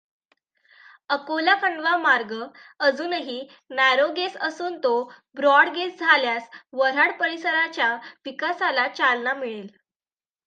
अकोला खण्डवा मार्ग अजुनही नॅरोगेज असून तो ब्रॉडगेज झाल्यास वर्हाड परीसराच्या विकासाला चालना मिळेल.